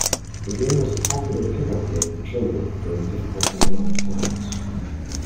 The game was a popular pick-up game for children during difficult economic times.